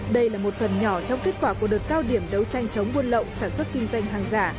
đây là một phần nhỏ trong kết quả của đợt cao điểm đấu tranh chống buôn lậu sản xuất kinh doanh hàng giả